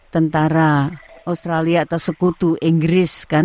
tentara australia atau sekutu inggris kan